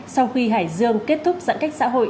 sau khi hải dương kết thúc giãn cách xã hội